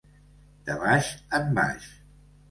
De baix en baix.